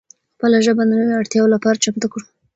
خپله ژبه د نوو اړتیاو لپاره چمتو کړو.